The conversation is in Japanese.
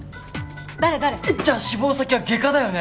じゃあ志望先は外科だよね？